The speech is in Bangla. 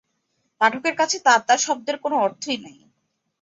পাঠকের কাছে তাতা শব্দের কোনো অর্থই নাই।